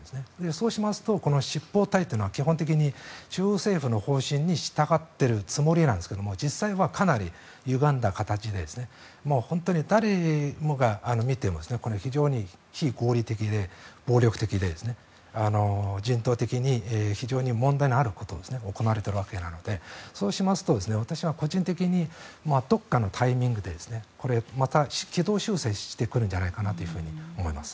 そうしますとこの執法隊というのは基本的に中央政府の方針に従ってるつもりなんですが実際はかなりゆがんだ形でもう本当に、誰が見てもこれは非常に非合理的で暴力的で人道的に非常に問題のあることが行われているのでそうしますと、私は個人的にどこかのタイミングでまた、軌道修正してくるのではと思います。